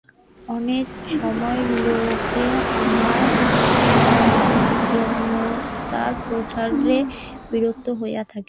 অনেক সময় লোকে আমার অদ্বৈতমত-প্রচারে বিরক্ত হইয়া থাকে।